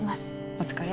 お疲れ。